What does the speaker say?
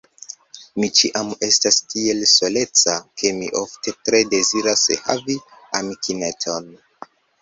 Mi ĉiam estas tiel soleca, ke mi ofte tre deziras havi amikineton.